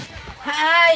はい。